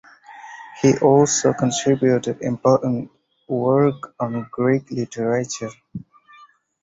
He also contributed important work on Greek literature.